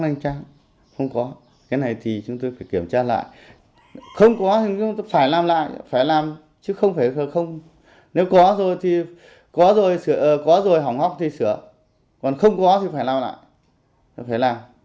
nếu có rồi thì có rồi hỏng hóc thì sửa còn không có thì phải làm lại